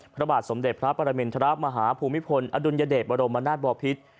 พระบาทสมเด็จพระปรมินทรมาฮาภูมิพลอดุลยเดชบรมนาศบอพิษ